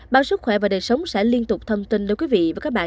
báo sức khỏe và đời sống sẽ liên tục thông tin đối với quý vị và các bạn